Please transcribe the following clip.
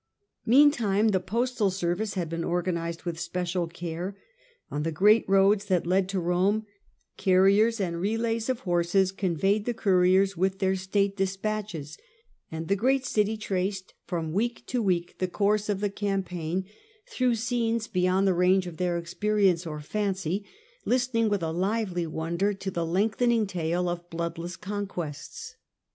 Meantime the postal service had been organized with special care. On the great roads that led to Rome carriages and relays of horses conveyed the couriers with their state despatches ; and the great city traced from week to week the course of the campaign through scenes 44 The Age of the Antonines. A.D. beyond the range of their experience or fancy, listening with a lively wonder to the lengthening tale of bloodless conquests.